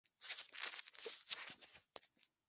ibishushanyo byabo bibajwe mubitwike.